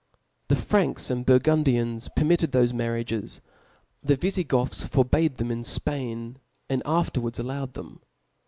The Franks and Burgundians permitted art. 5. '' thofe marriages (0 > the Vifigoths forbad them in ^'^J^^f [Jj^ Spain, and afterwards allowed them (*).